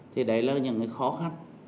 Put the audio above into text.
thì đấy là những khó khăn